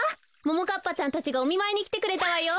ももかっぱちゃんたちがおみまいにきてくれたわよ。